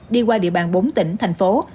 đi qua địa bàn bốn tỉnh thành phố